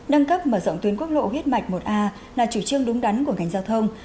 nâng cấp mở rộng tuyến quốc lộ huyết mạch một a là chủ trương đúng đắn của ngành giao thông